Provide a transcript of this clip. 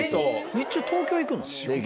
日中東京行くの？